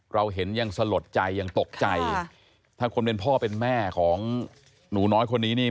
เราเห็นยังสลดใจยังตกใจถ้าคนเป็นพ่อเป็นแม่ของหนูน้อยคนนี้นี่